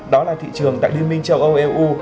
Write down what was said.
đó là thị trường tại liên minh châu âu eu